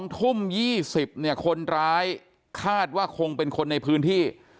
๒ทุ่ม๒๐เนี่ยคนร้ายคาดว่าคงเป็นคนในพื้นที่